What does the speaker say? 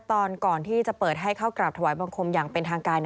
ตอนก่อนที่จะเปิดให้เข้ากราบถวายบังคมอย่างเป็นทางการ